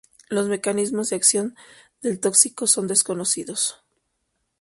Los mecanismos de acción del tóxico son desconocidos.